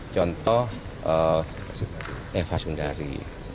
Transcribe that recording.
contoh eva sundari